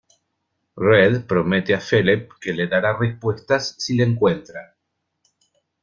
Red promete a Philip que le dará respuestas si le encuentra.